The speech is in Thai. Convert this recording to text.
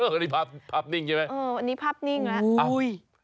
อันนี้ภาพภาพนิ่งใช่ไหมเอออันนี้ภาพนิ่งแล้ว